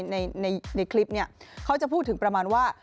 ในคลิปนี้เขาจะพูดถึงประมาณว่า